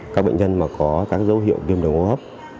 các bệnh nhân mà có các dấu hiệu viêm đường hô hấp